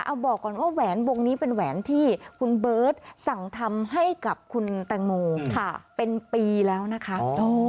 เอาบอกก่อนว่าแหวนวงนี้เป็นแหวนที่คุณเบิร์ตสั่งทำให้กับคุณแตงโมเป็นปีแล้วนะคะ